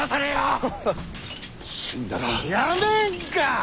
やめんか！